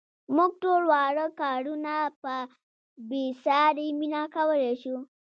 موږ ټول واړه کارونه په بې ساري مینه کولای شو.